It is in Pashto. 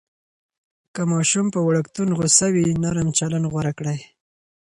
که ماشوم پر وړکتون غوصه وي، نرم چلند غوره کړئ.